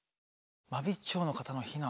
真備町の方の避難。